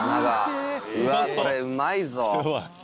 うわこれうまいぞ。